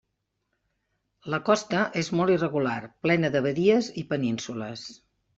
La costa és molt irregular, plena de badies i penínsules.